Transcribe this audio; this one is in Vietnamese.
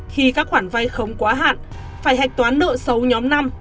khi các khoản vay không quá hạn phải hạch toán nợ xấu nhóm năm